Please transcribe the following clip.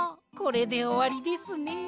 これでおわりですね。